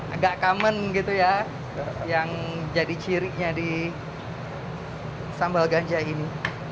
agak common gitu ya yang jadi cirinya di sambal ganja ini